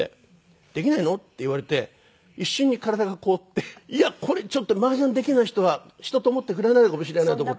「できないの？」って言われて一瞬に体が凍っていやこれちょっと麻雀できない人は人と思ってくれないのかもしれないと思って。